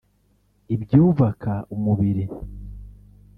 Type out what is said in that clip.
ibyubaka umubiri